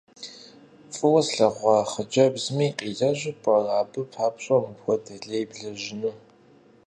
ФӀыуэ слъэгъуа хъыджэбзми къилэжьу пӀэрэ абы папщӀэ мыпхуэдэ лей блэжьыну?